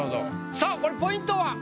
さあこれポイントは？